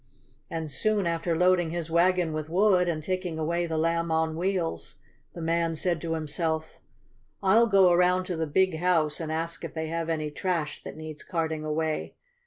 And soon after loading his wagon with wood and taking away the Lamb on Wheels the man said to himself: "I'll go around to the Big House and ask if they have any trash that needs carting away.